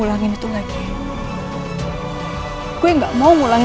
looked lalu sebagai tangga